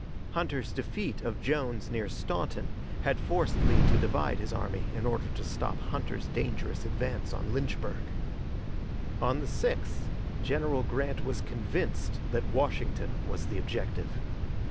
Hunter's defeat of Jones near Staunton had forced Lee to divide his army in order to stop Hunter's dangerous advance on Lynchburg. On the 6th General Grant was convinced that Washington was the objective.